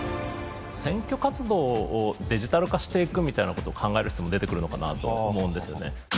選挙活動をデジタル化していくみたいなことを考える必要も出てくるのかなと思うんですよね。